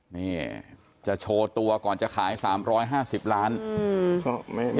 นี่จะโชว์ตัวก่อนจะขายสามร้อยห้าสิบล้านอืม